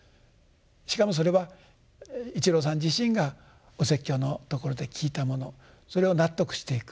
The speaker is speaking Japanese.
しかもそれは一郎さん自身がお説教のところで聞いたものそれを納得していく。